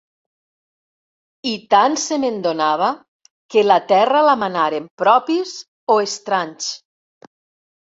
I tant se me'n donava que la terra la manaren propis o estranys.